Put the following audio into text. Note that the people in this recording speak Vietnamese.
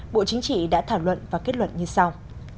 bộ chính trị đã thảo luận và kết luận như sau